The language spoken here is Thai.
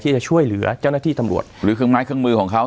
จะช่วยเหลือเจ้าหน้าที่ตำรวจหรือเครื่องไม้เครื่องมือของเขา